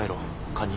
カニ。